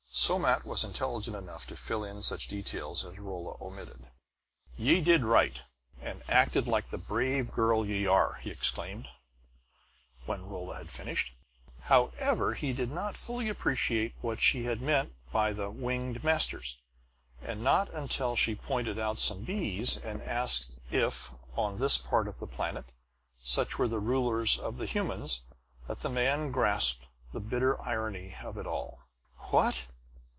Somat was intelligent enough to fill in such details as Rolla omitted. "Ye did right, and acted like the brave girl ye are!" he exclaimed, when Rolla had finished. However, he did not fully appreciate what she had meant by "the winged masters," and not until she pointed out some bees and asked if, on this part of the planet, such were the rulers of the humans, that the man grasped the bitter irony of it all. "What!